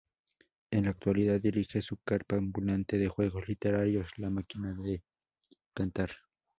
En la actualidad dirige su carpa ambulante de juegos literarios "La máquina de cantar".